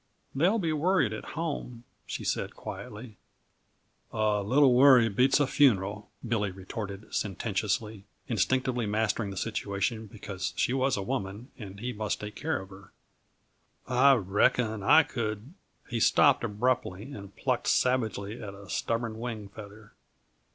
"They'll be worried, at home," she said quietly. "A little worry beats a funeral," Billy retorted sententiously, instinctively mastering the situation because she was a woman and he must take care of her. "I reckon I could " He stopped abruptly and plucked savagely at a stubborn wing feather.